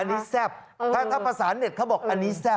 อันนี้แซ่บถ้าภาษาเน็ตเขาบอกอันนี้แซ่บ